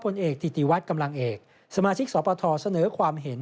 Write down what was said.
ที่ใช่คนเอกต์ธิติวัตรกำลังเอกสมาชิกสศสเสนอความเห็น